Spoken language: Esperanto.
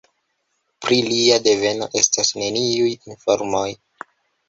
Pri lia deveno estas neniuj informoj.